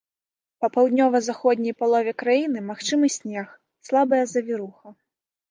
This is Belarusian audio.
Па паўднёва-заходняй палове краіны магчымы снег, слабая завіруха.